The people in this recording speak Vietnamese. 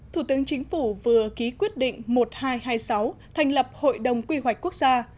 thủ tướng chính phủ vừa ký quyết định một nghìn hai trăm hai mươi sáu thành lập hội đồng quy hoạch quốc gia